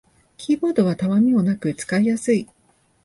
キーボードはたわみもなく使いやすい